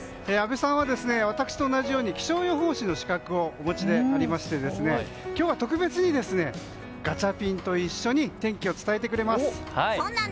阿部さんは私と同じように気象予報士の資格をお持ちでありましてですね今日は特別にガチャピンと一緒に天気を伝えてくれます。